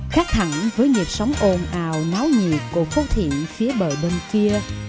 khác thẳng với nhịp sóng ồn ào náo nhịp của phố thiện phía bờ bên kia